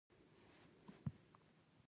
د مشکل د حل لارې لټول.